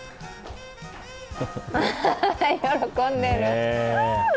喜んでる。